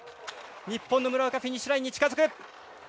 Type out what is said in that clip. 日本の村岡フィニッシュラインに近づく。